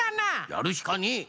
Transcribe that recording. やるしかねえ！